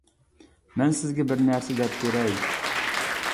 مەن سىزگە بىر نەرسە دەپ بېرەي.